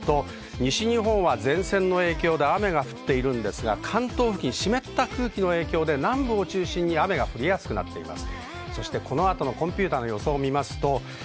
西日本は前線の影響で雨が降っているんですが、関東付近、湿った空気の影響で南部を中心に雨が降りやすくなっています。